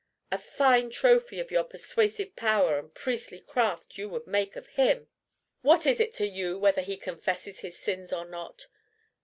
A fine trophy of your persuasive power and priestly craft you would make of him! What is it to you whether he confesses his sins or not?